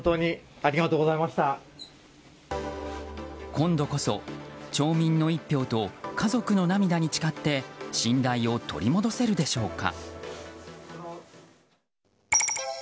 今度こそ町民の一票と家族の涙に誓って信頼を取り戻せるでしょうか。